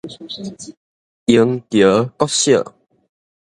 螢橋國小